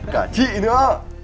cả chị nữa